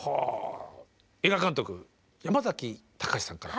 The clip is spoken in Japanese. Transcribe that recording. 映画監督山崎貴さんから。